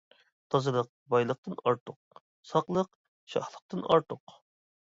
تازىلىق بايلىقتىن ئارتۇق، ساقلىق شاھلىقتىن ئارتۇق.